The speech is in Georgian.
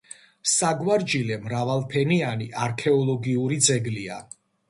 საგვარჯილე მრავალფენიანი არქეოლოგიური ძეგლია.